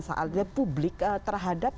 saat ada publik terhadap